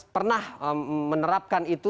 pernah menerapkan itu